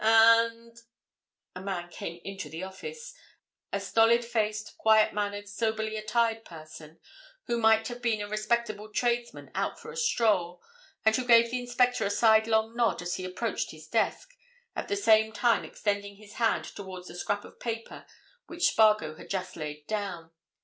And—" A man came into the office—a stolid faced, quiet mannered, soberly attired person, who might have been a respectable tradesman out for a stroll, and who gave the inspector a sidelong nod as he approached his desk, at the same time extending his hand towards the scrap of paper which Spargo had just laid down.